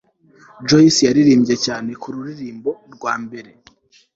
Joyce yaririmbye cyane kururirimbo rwa mbere